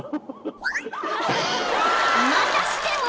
［またしても］